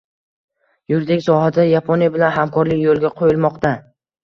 Yuridik sohada Yaponiya bilan hamkorlik yo‘lga qo‘yilmoqdang